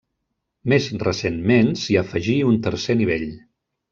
Més recentment s'hi afegí un tercer nivell.